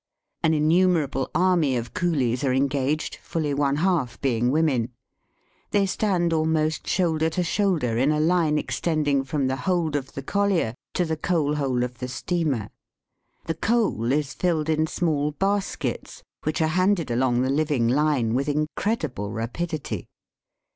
An innumerable army of coolies are engaged, fully one half being women. They stand almost shoulder to shoulder in a line extending from the hold of the collier to the coal hole of the steamer. The coal is filled in small baskets, which are handed along the living line with incredible rapidity.